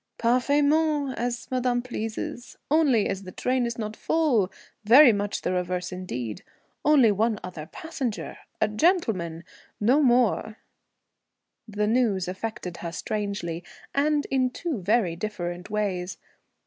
"Parfaitement, as madame pleases. Only, as the train is not full very much the reverse indeed only one other passenger, a gentleman no more " The news affected her strangely, and in two very different ways.